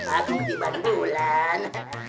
aku di bandulan